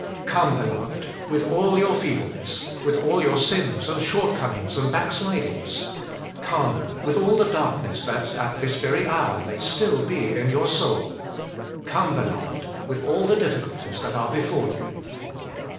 Come, beloved, with all your feebleness, with all your sins and shortcoming's and backsliding s, come with all the darkness that, at this very hour, may still be in your soul, come, beloved, with all the difficulties that are before you.